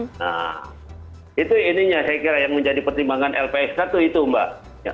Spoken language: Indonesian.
nah itu ininya saya kira yang menjadi pertimbangan lps satu itu mbak